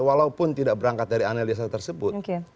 walaupun tidak berangkat dari analisa tersebut